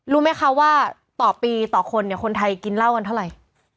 รู้ไหมคะว่าต่อปีต่อคนเนี่ยคนไทยกินเหล้ากันเท่าไหร่